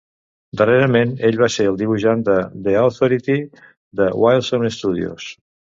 Darrerament ell va ser el dibuixant de "The Authority" de Wildstorm Studios.